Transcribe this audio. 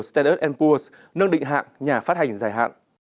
standard poor s nâng định hạng nhà phát hành dài hạn